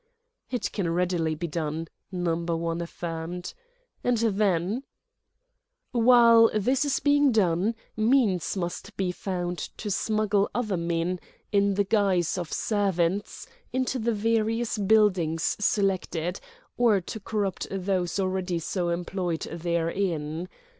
"It can readily be done," Number One affirmed. "And then—?" "While this is being done means must be found to smuggle other men, in the guise of servants, into the various buildings selected, or to corrupt those already so employed therein.